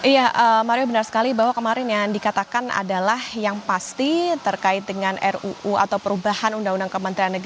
iya mario benar sekali bahwa kemarin yang dikatakan adalah yang pasti terkait dengan ruu atau perubahan undang undang kementerian